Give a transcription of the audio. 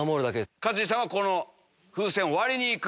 勝地さんは風船を割りにいく。